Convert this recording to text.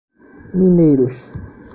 Mineiros